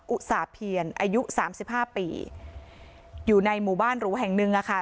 อุตสาเพียรอายุสามสิบห้าปีอยู่ในหมู่บ้านหรูแห่งหนึ่งอะค่ะ